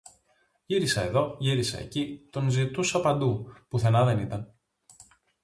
Γύρισα εδώ, γύρισα εκεί, τον ζητούσα παντού, πουθενά δεν ήταν